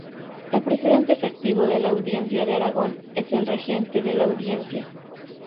El presidente efectivo de la Audiencia de Aragón es el regente de la Audiencia.